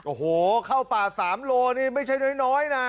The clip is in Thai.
โอ้โหเข้าป่า๓โลนี่ไม่ใช่น้อยนะ